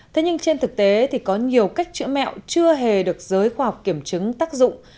thế nhưng trên thực tế thì có nhiều cách chữa mẹo chưa hề được giới khoa học kiểm chứng tác dụng